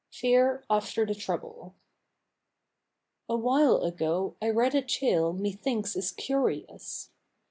FEAR AFTER THE TROUBLE Awhile ago I read a tale methinks is curious.